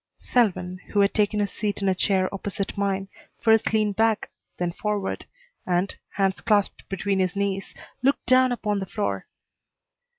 Selwyn, who had taken his seat in a chair opposite mine, first leaned back, then forward, and, hands clasped between his knees, looked down upon the floor.